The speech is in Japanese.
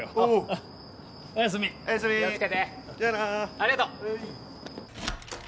ありがとう。